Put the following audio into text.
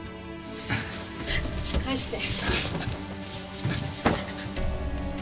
返して！